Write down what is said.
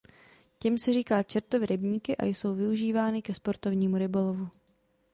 Těm se říká Čertovy rybníky a jsou využívány ke sportovnímu rybolovu.